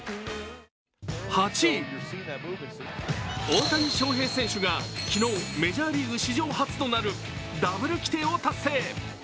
大谷翔平選手が昨日、メジャーリーグ史上初となるダブル規定を達成。